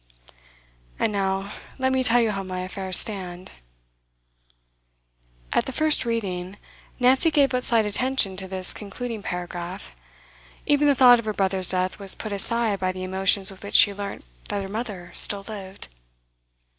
And now let me tell you how my affairs stand At the first reading, Nancy gave but slight attention to this concluding paragraph. Even the thought of her brother's death was put aside by the emotions with which she learnt that her mother still lived.